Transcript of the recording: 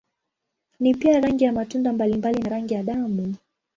Ni pia rangi ya matunda mbalimbali na rangi ya damu.